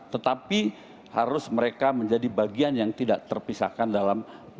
tetapi harus mereka menjadi bagian yang tidak terpisahkan dalam